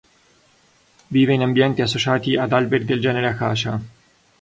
Vive in ambienti associati ad alberi del genere Acacia.